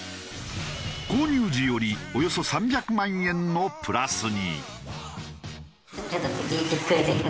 購入時よりおよそ３００万円のプラスに。